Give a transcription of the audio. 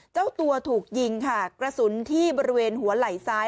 เจ้าตัวถูกยิงค่ะกระสุนที่บริเวณหัวไหล่ซ้าย